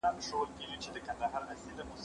زه به بازار ته تللی وي!.